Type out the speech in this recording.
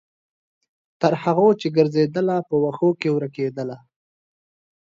تر هغو چې ګرځیدله، په وښو کې ورکیدله